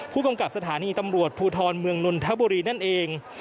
ผู้กำกับสถานีตำรวจภูทรเมืองนนทบุรีนั่นเอง